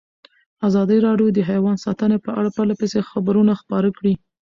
ازادي راډیو د حیوان ساتنه په اړه پرله پسې خبرونه خپاره کړي.